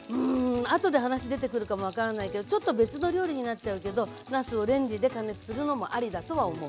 あとで話出てくるかもわからないけどちょっと別の料理になっちゃうけどなすをレンジで加熱するのもありだとは思う。